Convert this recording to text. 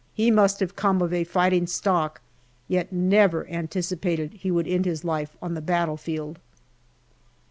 He must have come of a fighting stock, yet never anticipated he would end his life on the battlefield.